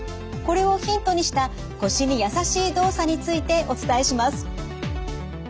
これをヒントにした腰に優しい動作についてお伝えします。